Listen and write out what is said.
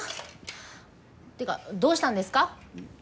てかどうしたんですか？